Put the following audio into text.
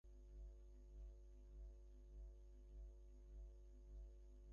তিনি নিঃসঙ্গ জীবন ঠিক পছন্দ করেন বলেও মনে হল না।